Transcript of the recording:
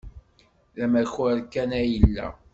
D amakar kan ay yella.